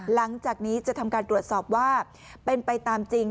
หลังจากนี้จะทำการตรวจสอบว่าเป็นไปตามจริง